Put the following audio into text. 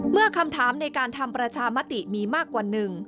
เมื่อคำถามในการทำประชามติมีมากกว่าหนึ่ง